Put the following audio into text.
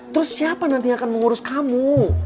terus siapa nanti yang akan mengurus kamu